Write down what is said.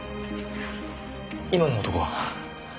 今の男は？